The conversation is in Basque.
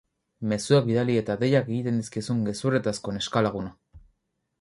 Mezuak bidali eta deiak egiten dizkizun gezurretazko neska-laguna.